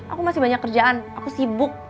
aku masih banyak kerjaan aku sibuk